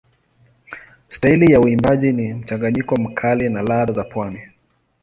Staili ya uimbaji ni mchanganyiko mkali na ladha za pwani.